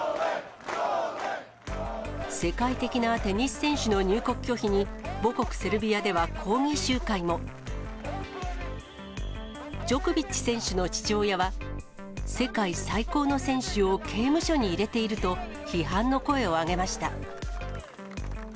世界的なテニス選手の入国拒否に、母国セルビアでは、抗議集会も。ジョコビッチ選手の父親は、世界最高の選手を刑務所に入れていると批判の声を上げました。